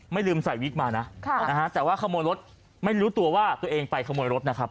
ลืมใส่วิกมานะแต่ว่าขโมยรถไม่รู้ตัวว่าตัวเองไปขโมยรถนะครับ